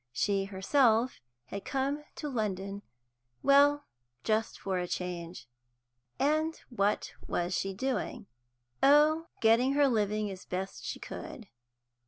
She herself had come to London well, just for a change. And what was she doing? Oh, getting her living as best she could.